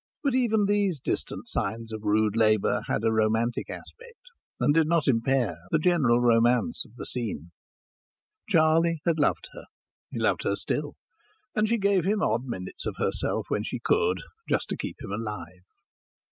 But even these distant signs of rude labour had a romantic aspect, and did not impair the general romance of the scene. Charlie had loved her; he loved her still; and she gave him odd minutes of herself when she could, just to keep him alive.